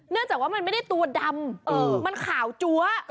จากว่ามันไม่ได้ตัวดำมันขาวจั๊ว